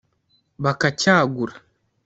bakacyagura